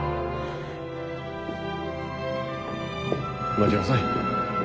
待ちなさい。